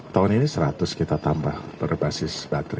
tahun ini seratus kita tambah berbasis batu